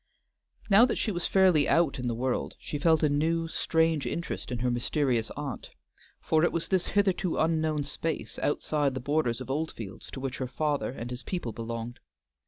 Now that she was fairly out in the world she felt a new, strange interest in her mysterious aunt, for it was this hitherto unknown space outside the borders of Oldfields to which her father and his people belonged.